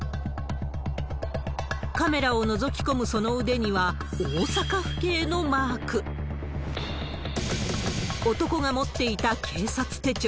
カメラをのぞき込むその腕には、大阪府警のマーク。男が持っていた警察手帳。